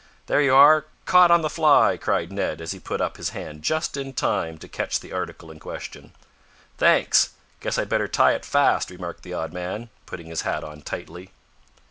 "There you are caught on the fly!" cried Ned, as he put up his hand just in time to catch the article in question. "Thanks! Guess I'd better tie it fast," remarked the odd man, putting his hat on tightly.